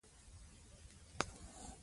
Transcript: د ماښام تروږمۍ لګېدلې وه.